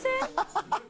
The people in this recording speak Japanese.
ハハハハ！